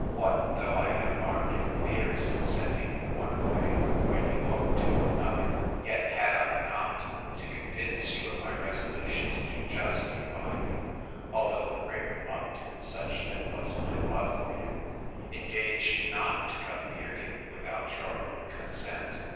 What, though I had alarmed your fears in sending you one way, when you hoped to go another; yet, had I not, to convince you of my resolution to do justly by you, (although with great reluctance, such then was my love for you,) engaged not to come near you without your own consent?